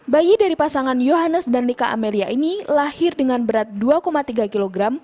bayi dari pasangan yohanes dan nika amelia ini lahir dengan berat dua tiga kg